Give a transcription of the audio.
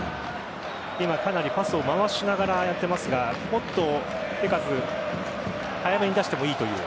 今、かなりパスを回しながらああやっていますがもっと手数早めに出してもいいという。